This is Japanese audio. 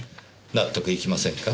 納得いきませんか？